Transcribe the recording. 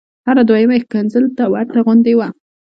هره دویمه یې ښکنځل ته ورته غوندې وه.